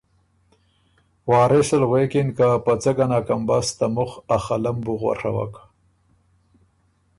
وارث ال غوېکِن که ”په څۀ ګه نکم بس ته مُخ ا خَلۀ م بو غؤڒَوَک“